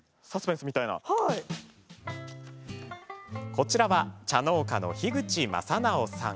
こちらは、茶農家の樋口昌直さん。